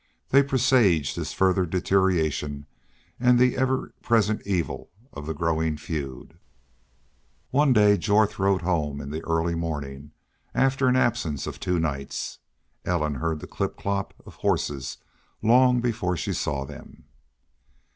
They presaged his further deterioration and the ever present evil of the growing feud. One day Jorth rode home in the early morning, after an absence of two nights. Ellen heard the clip clop of, horses long before she saw them.